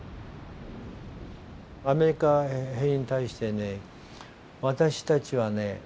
アメリカ兵に対して私たちはね